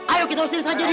ayo kita usir saja dia